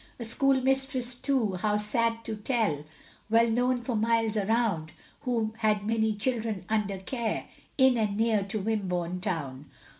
A schoolmistress too, how sad to tell, Well known for miles around, Who had many children under care, In and near to Wimborne town.